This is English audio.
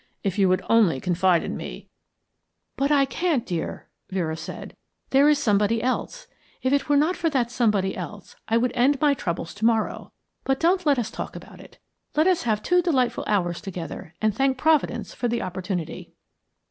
If you would only confide in me " "But I can't, dear," Vera said. "There is somebody else. If it were not for that somebody else, I could end my troubles to morrow. But don't let us talk about it. Let us have two delightful hours together and thank Providence for the opportunity."